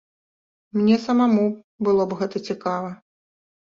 Мне самому было б гэта цікава.